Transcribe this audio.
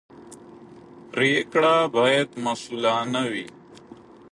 پرېکړې باید مسوولانه وي